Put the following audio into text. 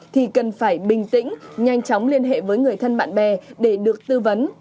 thì cần phải bình tĩnh nhanh chóng liên hệ với người thân bạn bè để được tư vấn